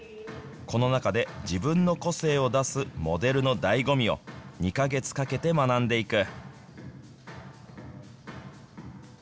この中で自分の個性を出すモデルのだいご味を、２か月かけて学んでいく。